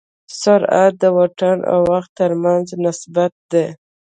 سرعت د واټن او وخت تر منځ نسبت دی.